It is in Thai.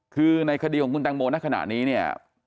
คือในคดีของคุณตังโมณักขณะนี้